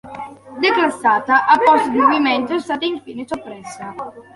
Declassata a posto di movimento è stata infine soppressa.